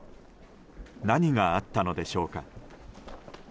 何があったのでしょうか。